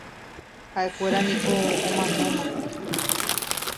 Haʼekuéra niko omanóma.